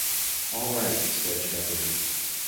"All right," said Shepherd.